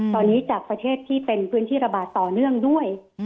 ตอนนี้จากประเทศที่เป็นพื้นที่ระบาดต่อเนื่องด้วย